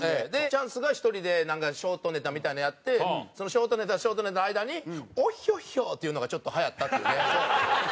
チャンスが１人でショートネタみたいなのやってショートネタショートネタの間に「オッヒョッヒョ」っていうのがちょっとはやったっていうね。